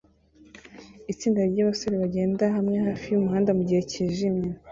Itsinda ryabasore bagenda hamwe hafi yumuhanda mugihe cyijimye